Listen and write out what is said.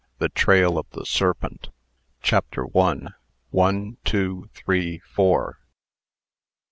THE TRAIL OF THE SERPENT. CHAPTER I. "ONE TWO THBEE FOUR."